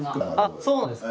そうなんですね。